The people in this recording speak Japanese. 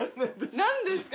何ですか？